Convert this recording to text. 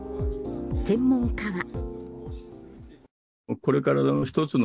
専門家は。